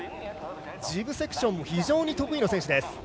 ジブセクションも非常に得意な選手。